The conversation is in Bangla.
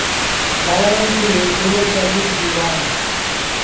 বালা রাম ছিলেন দৌলত গাজীর দিওয়ান।